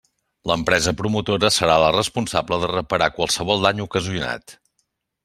L'empresa promotora serà la responsable de reparar qualsevol dany ocasionat.